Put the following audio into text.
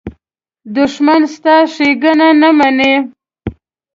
دښمن ستا ښېګڼه نه مني